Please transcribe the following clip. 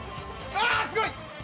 ああすごい！